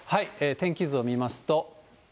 天気図を見ますと。